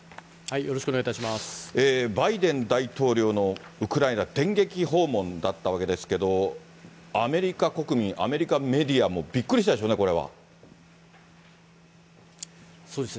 バイデン大統領のウクライナ電撃訪問だったわけですけど、アメリカ国民、アメリカメディアもびっくりしたでしょうね、そうですね。